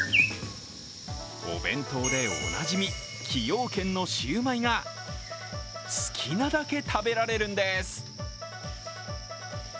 お弁当でおなじみ、崎陽軒のシウマイが好きなだけ食べられるんです。